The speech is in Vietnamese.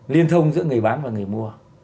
liên thông giữa người bán và người mua